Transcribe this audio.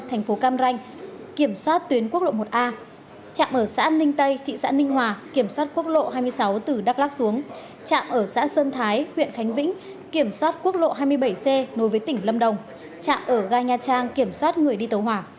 trạm kiểm soát tuyến quốc lộ một a trạm ở xã ninh tây thị xã ninh hòa kiểm soát quốc lộ hai mươi sáu từ đắk lắc xuống trạm ở xã sơn thái huyện khánh vĩnh kiểm soát quốc lộ hai mươi bảy c nối với tỉnh lâm đồng trạm ở gai nha trang kiểm soát người đi tàu hỏa